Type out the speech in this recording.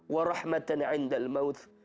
wa rahmatan ndal mauth